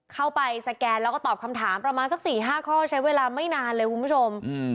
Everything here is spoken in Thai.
เข้าไปสแกนแล้วก็ตอบคำถามประมาณสัก๔๕ข้อใช้เวลาไม่นานเลยคุณผู้ชม